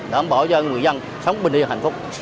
đảm bảo cho người dân sống bình yên hạnh phúc